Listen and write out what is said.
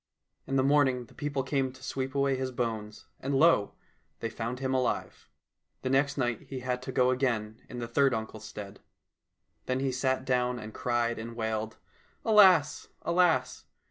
In the morning the people came to sweep away his bones, and lo ! they found him alive. The next night he had to go again in the third uncle's stead. Then he sat down and cried and wailed, " Alas, alas